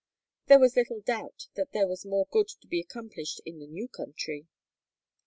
There was little doubt that there was more good to be accomplished in the new country.